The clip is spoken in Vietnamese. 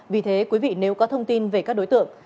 vì thế quý vị nếu có thông tin về các đối tượng